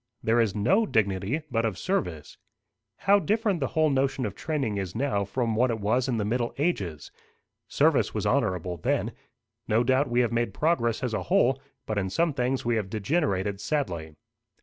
There is no dignity but of service. How different the whole notion of training is now from what it was in the middle ages! Service was honourable then. No doubt we have made progress as a whole, but in some things we have degenerated sadly.